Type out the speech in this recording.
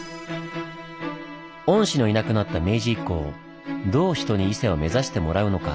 御師のいなくなった明治以降どう人に伊勢を目指してもらうのか。